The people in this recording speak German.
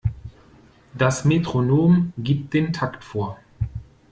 Das Metronom gibt den Takt vor.